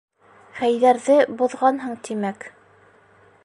Хәйҙәрҙе боҙғанһың, тимәк.